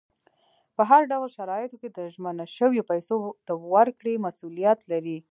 په هر ډول شرایطو کې د ژمنه شویو پیسو د ورکړې مسولیت لري.